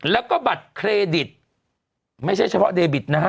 แล้วก็บัตรเครดิตไม่ใช่เฉพาะเดบิตนะฮะ